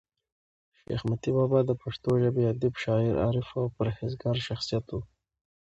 شېخ متي بابا دپښتو ژبي ادیب، شاعر، عارف او پر هېزګاره شخصیت وو.